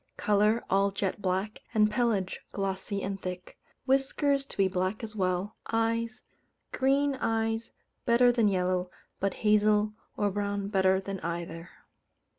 Colour, all jet black, and pelage glossy and thick. Whiskers to be black as well. Eyes: green eyes better than yellow, but hazel or brown better than either.